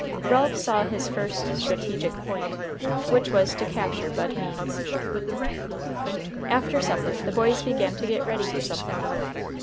Ralph saw his first strategic point, which was to capture Bud Means. After supper, the boys began to get ready for something.